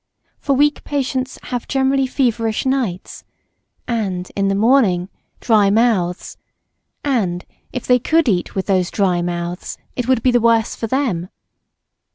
For weak patients have generally feverish nights and, in the morning, dry mouths; and, if they could eat with those dry mouths, it would be the worse for them.